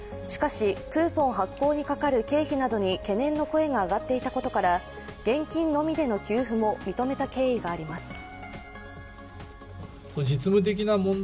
しかしクーポン発行にかかる経費などに懸念の声が上がっていたことから現金のみでの給付も認めた経緯があります。